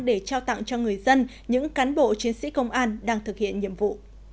để trao tặng cho người dân những cán bộ chiến sĩ công an đang thực hiện nhiệm vụ